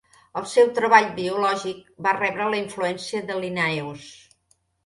El seu treball biològic va rebre la influència de Linnaeus.